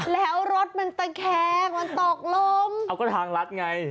แล้วรถมันตะแคงมันตกลมเอาก็ทางลัดไง